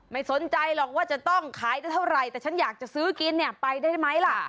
ไม่สนใจหรอกว่าจะต้องขายได้เท่าไหร่แต่ฉันอยากจะซื้อกินเนี่ยไปได้ไหมล่ะ